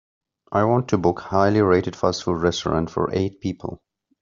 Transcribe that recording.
I want to book a highly rated fast food restaurant for eight people.